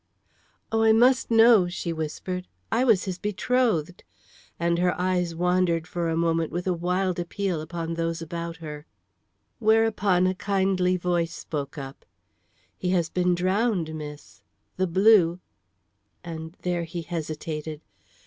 "Oh, I must know!" she whispered. "I was his betrothed"; and her eyes wandered for a moment with a wild appeal upon those about her. Whereupon a kindly voice spoke up. "He has been drowned, miss. The blue " and there he hesitated.